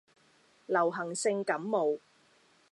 流行性感冒